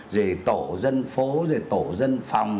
rồi tổ dân phố rồi tổ dân phòng